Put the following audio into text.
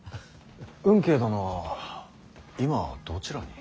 運慶殿は今どちらに？